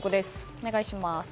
お願いします。